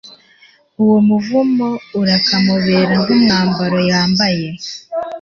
uwo muvumo urakamubera nk’umwambaro yambaye